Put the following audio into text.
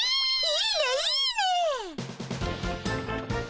いいねいいね！